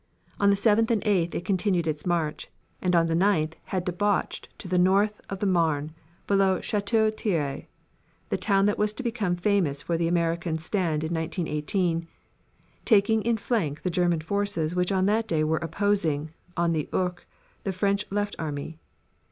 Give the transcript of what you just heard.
On the 7th and 8th it continued its march, and on the 9th had debouched to the north of the Marne below Chauteau Thierry the town that was to become famous for the American stand in 1918 taking in flank the German forces which on that day were opposing, on the Ourcq, the French left army.